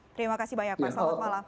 terima kasih banyak pak selamat malam